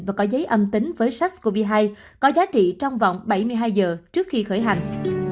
và có giấy âm tính với sars cov hai có giá trị trong vòng bảy mươi hai giờ trước khi khởi hành